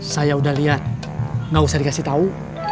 saya sudah melihatnya tidak usah diberitahu